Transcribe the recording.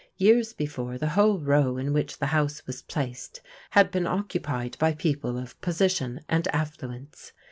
Years before, the whole row in which the house was placed had been occupied by people of position and affluence.